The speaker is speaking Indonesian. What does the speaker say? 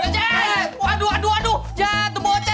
jangan lupa like komen share